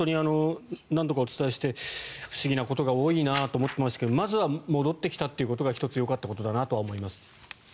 何度かお伝えして不思議なことが多いなと思っていましたがまずは戻ってきたのが１つ、よかったことだなと思います。